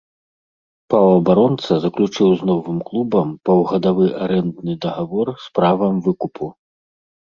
Паўабаронца заключыў з новым клубам паўгадавы арэндны дагавор з правам выкупу.